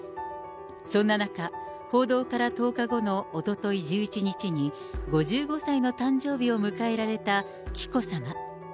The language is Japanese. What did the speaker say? そんな中、報道から１０日後のおととい１１日に、５５歳の誕生日を迎えられた紀子さま。